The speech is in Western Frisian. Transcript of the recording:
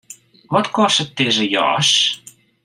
Wat kostet dizze jas?